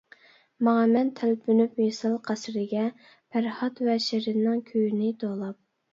ماڭىمەن تەلپۈنۈپ ۋىسال قەسرىگە، پەرھات ۋە شېرىننىڭ كۈيىنى توۋلاپ.